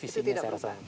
itu tidak perbedaan